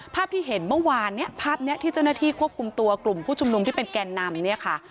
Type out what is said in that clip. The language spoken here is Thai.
ภาพที่เห็นเมื่อวานเนี่ยภาพนี้ที่เจ้าหน้าที่ควบคุมตัวกลุ่มผู้ชุมนุมที่เป็นแกนนำเนี่ยค่ะ